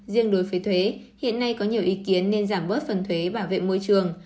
riêng đối với thuế hiện nay có nhiều ý kiến nên giảm bớt phần thuế bảo vệ môi trường